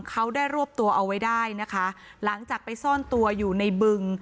เขาได้รวบตัวเอาไว้ได้นะคะหลังจากไปซ่อนตัวอยู่ในบึง